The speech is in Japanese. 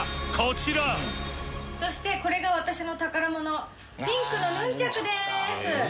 そしてこれが私の宝物ピンクのヌンチャクでーす！